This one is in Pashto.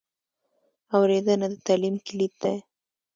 اورېدنه د تعلیم کلید دی.